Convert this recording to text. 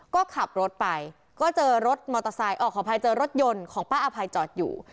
ก็ขับรถไปก็เจอรถมอเตอร์ไซค์ขออภัยเจอรถยนต์ของป้าอภัยจอดอยู่